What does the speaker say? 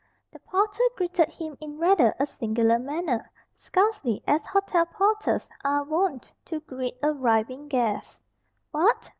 The porter greeted him in rather a singular manner, scarcely as hotel porters are wont to greet arriving guests. "What!